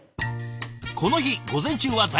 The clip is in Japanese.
この日午前中は在宅勤務。